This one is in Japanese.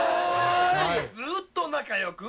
ずーっと仲良く。